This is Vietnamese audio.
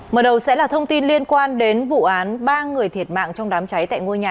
mở đầu sẽ là thông tin liên quan đến vụ án ba người thiệt mạng trong đám cháy tại ngôi nhà